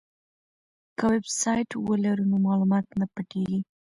که ویبسایټ ولرو نو معلومات نه پټیږي.